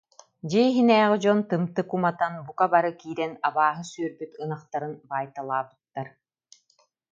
Дьиэ иһинээҕи дьон тымтык уматан, бука бары киирэн абааһы сүөрбүт ынахтарын баайталаабыттар